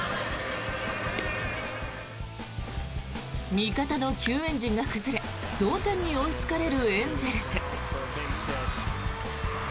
味方の救援陣が崩れ同点に追いつかれるエンゼルス。